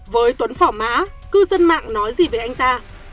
với tuấn phỏ mã cư dân mạng nói gì về anh ta